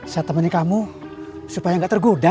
saya temani kamu supaya nggak tergoda